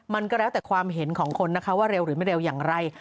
มันก็แล้วแต่ความเห็นของคนนะคะว่าเร็วหรือไม่เร็วอย่างไร